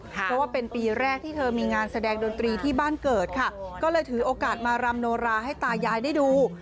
เพราะว่าเป็นปีแรกที่เธอมีงานแสดงดนตรีที่บ้านเกิดค่ะก็เลยถือโอกาสมารำโนราให้ตายายได้ดู